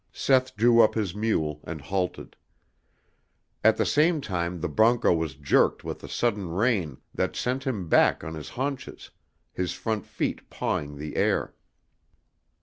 Seth drew up his mule and halted. At the same time the broncho was jerked with a sudden rein that sent him back on his haunches, his front feet pawing the air.